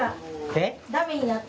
えっ？